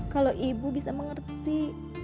kalau ibu bisa mengerti